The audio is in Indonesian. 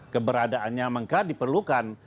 keberadaannya mengapa diperlukan